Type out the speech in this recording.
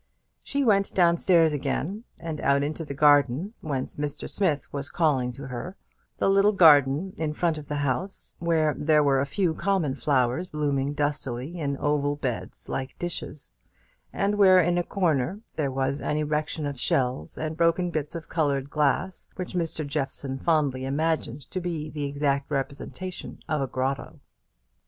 She went down stairs again, and out into the garden, whence Mr. Smith was calling to her the little garden in front of the house, where there were a few common flowers blooming dustily in oval beds like dishes; and where, in a corner, there was an erection of shells and broken bits of coloured glass, which Mr. Jeffson fondly imagined to be the exact representation of a grotto.